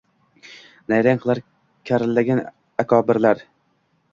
Nayrang qilar karillagan akobirlar